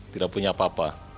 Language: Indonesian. tidak punya apa apa